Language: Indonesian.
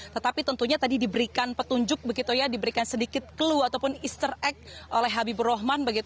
tetapi tentunya tadi diberikan petunjuk diberikan sedikit clue ataupun easter egg oleh habibur rohman